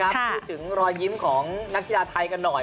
พูดถึงรอยยิ้มของนักกีฬาไทยกันหน่อย